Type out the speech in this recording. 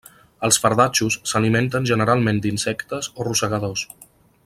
Els fardatxos s'alimenten generalment d'insectes o rosegadors.